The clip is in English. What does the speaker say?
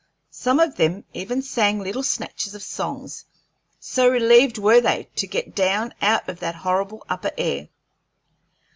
Some of them even sang little snatches of songs, so relieved were they to get down out of that horrible upper air.